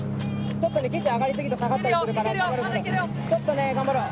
ちょっとね機首上がり過ぎたり下がったりするからちょっとね頑張ろう。